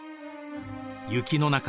雪の中